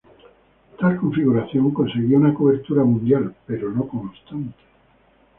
Tal configuración conseguía una cobertura mundial pero no constante.